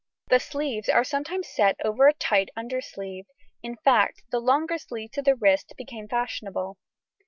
The sleeves are sometimes set over a tight undersleeve, in fact the longer sleeve to the wrist became fashionable.